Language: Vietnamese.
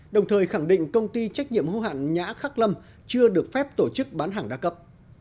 đồng thời khẳng định công ty trách nhiệm hô hạn nhã khắc lâm chưa được phép tổ chức bán hàng đa cấp